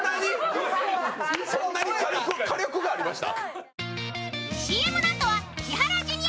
そんなに火力がありました？